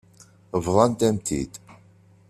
Bḍant-am-t-id.